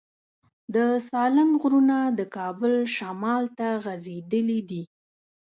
د سالنګ غرونه د کابل شمال ته غځېدلي دي.